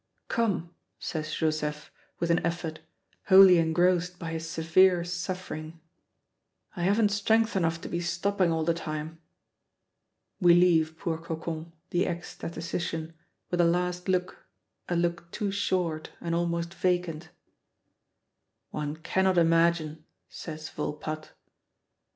"Come," says Joseph, with an effort, wholly engrossed by his severe suffering, "I haven't strength enough to be stopping all the time." We leave poor Cocon, the ex statistician, with a last look, a look too short and almost vacant. "One cannot imagine " says Volpatte.